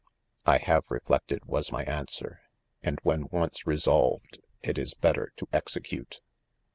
I have reflected, was my answer, and when once resolved it is better to execute.